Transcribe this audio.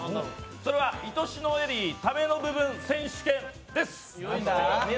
それは「いとしのエリータメの部分選手権」です。